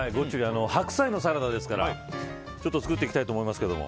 白菜のサラダですから作っていきたいと思いますけども。